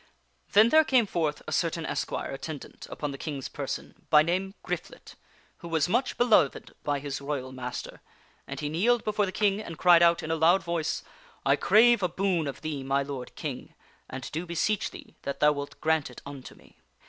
Then there came forth a certain esquire attendant upon the King's per son, by name Griflet, who was much beloved by his Royal criflet craveth Master, and he kneeled before the King and cried out in a a boon loud voice :" I crave a boon of thee, my lord King ! and do beseech thee that thou wilt grant it unto me!